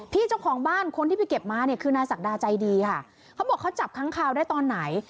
เจ้าของบ้านคนที่ไปเก็บมาเนี่ยคือนายศักดาใจดีค่ะเขาบอกเขาจับค้างคาวได้ตอนไหน